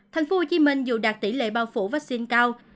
thành phố hồ chí minh dù đạt tỷ lệ bao phủ vaccine cao